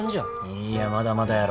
いいやまだまだやろ。